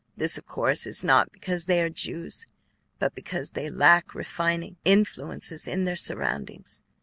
This, of course, is not because they are Jews, but because they lack refining influences in their surroundings.